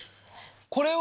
これは。